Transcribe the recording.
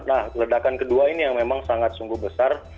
nah ledakan kedua ini yang memang sangat sungguh besar